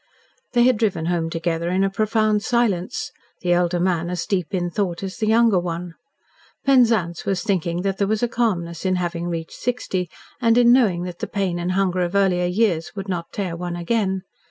They had driven home together in a profound silence, the elder man as deep in thought as the younger one. Penzance was thinking that there was a calmness in having reached sixty and in knowing that the pain and hunger of earlier years would not tear one again.